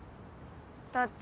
だって